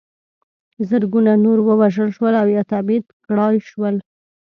زرګونه نور ووژل شول او یا تبعید کړای شول.